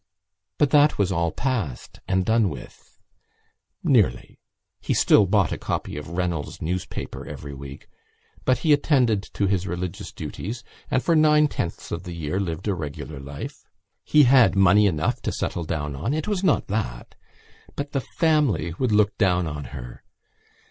But that was all passed and done with ... nearly. He still bought a copy of Reynolds's Newspaper every week but he attended to his religious duties and for nine tenths of the year lived a regular life. He had money enough to settle down on; it was not that. But the family would look down on her.